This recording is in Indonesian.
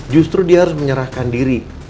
justru dia harus menyerahkan diri